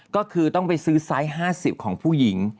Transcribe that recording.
ก็คือต้องไปซื้อไซส์๕๐ของผู้หญิง